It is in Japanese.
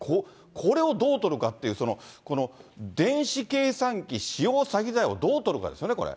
これをどう取るかっていう、この電子計算機使用詐欺罪をどう取るかですよね、これ。